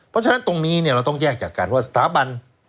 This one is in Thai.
เพราะฉะนั้นตรงนี้เราต้องแยกจากกันว่าสถาบัน